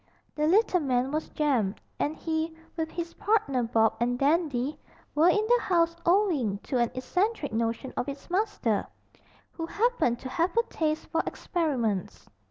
The little man was Jem; and he, with his partner Bob, and Dandy, were in the house owing to an eccentric notion of its master, who happened to have a taste for experiments.